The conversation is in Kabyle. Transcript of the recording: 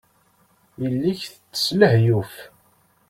Yelli-k tettess lehyuf.